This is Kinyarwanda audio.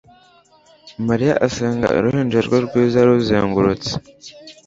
Mariya asenga uruhinja rwe rwiza ruzengurutse